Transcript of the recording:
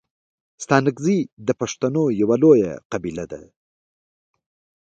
ستانگزي د پښتنو یو لويه قبیله ده.